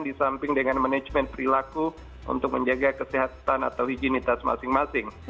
di samping dengan manajemen perilaku untuk menjaga kesehatan atau higienitas masing masing